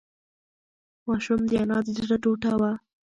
ماشوم د انا د زړه ټوټه وه.